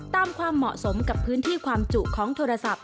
ความเหมาะสมกับพื้นที่ความจุของโทรศัพท์